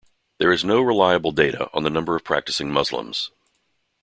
There is no reliable data on the number of practicing Muslims.